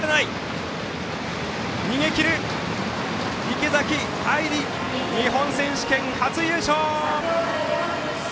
池崎愛里、日本選手権初優勝！